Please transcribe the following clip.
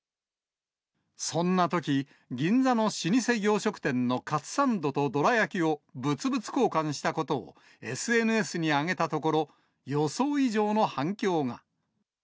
そんなとき、銀座の老舗洋食店のカツサンドとどら焼きを物々交換したことを、ＳＮＳに挙げたところ、予想以上の反響が。